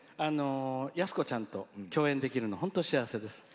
安子ちゃんと共演できるの本当に幸せです。